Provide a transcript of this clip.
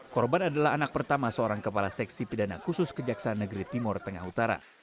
korban adalah anak pertama seorang kepala seksi pidana khusus kejaksaan negeri timur tengah utara